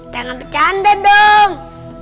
jangan bercanda dong